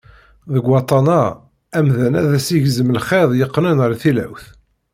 Deg waṭṭan-a, amdan ad as-igzem lxiḍ yeqqnen ar tilawt.